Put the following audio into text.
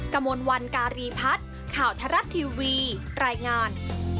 กระมวลวันการีพัฒน์ข่าวทรัฐทีวีรายงาน